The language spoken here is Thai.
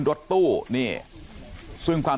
หกสิบล้านหกสิบล้าน